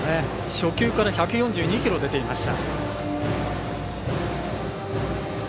初球から１４２キロ出ていました。